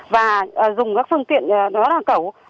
và dùng các phương tiện rất là cẩu